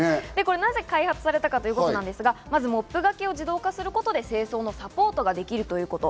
なぜ開発されたかということですが、モップがけを自動化することで清掃のサポートができるということ。